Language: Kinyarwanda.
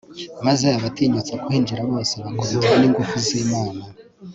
maze abatinyutse kuhinjira bose bakubitwa n'ingufu z'imana